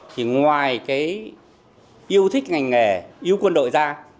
thì ngoài cái yêu thích ngành nghề yêu quân đội ra